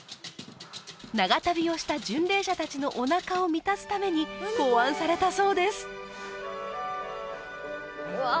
長旅をした巡礼者達のおなかを満たすために考案されたそうです